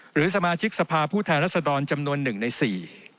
หรือสมาชิกสภาพผู้แทนรัศดรจำนวนหนึ่งในสี่